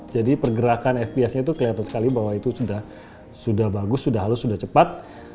jadi pergerakan fps nya itu kelihatan sekali bahwa itu sudah bagus sudah halus sudah cepat